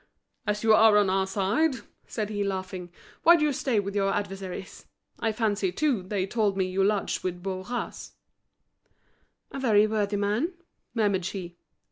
"As you are on our side," said he, laughing, "why do you stay with our adversaries? I fancy, too, they told me you lodged with Bourras." "A very worthy man," murmured she.